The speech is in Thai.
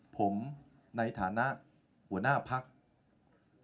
ผมในฐานะหัวหน้าพัก